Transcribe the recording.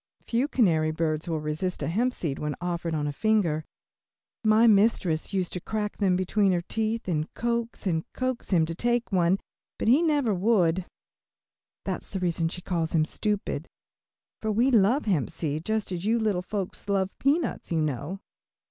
Few canary birds will resist a hemp seed when offered on a finger. My mistress used to crack them between her teeth and coax and coax him to take one, but he never would. That's the reason she calls him stupid, for we love hemp seed just as you little folks love peanuts, you know.